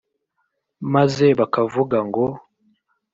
Maze bakavuga ngo